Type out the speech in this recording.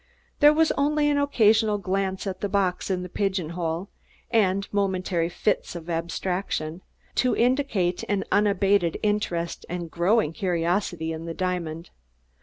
There was only an occasional glance at the box in the pigeonhole, and momentary fits of abstraction, to indicate an unabated interest and growing curiosity in the diamond.